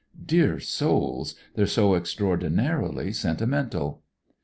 Dear souls I They're so extraordinarily sentimental.